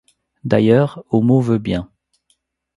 D’ailleurs Homo veut bien.